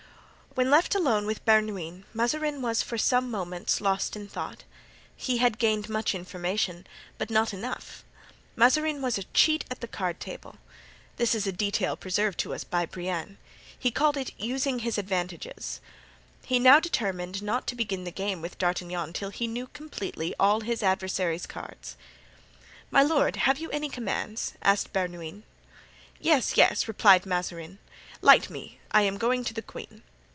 When left alone with Bernouin, Mazarin was for some minutes lost in thought. He had gained much information, but not enough. Mazarin was a cheat at the card table. This is a detail preserved to us by Brienne. He called it using his advantages. He now determined not to begin the game with D'Artagnan till he knew completely all his adversary's cards. "My lord, have you any commands?" asked Bernouin. "Yes, yes," replied Mazarin. "Light me; I am going to the queen."